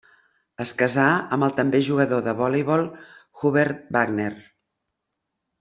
Es casà amb el també jugador de voleibol Hubert Wagner.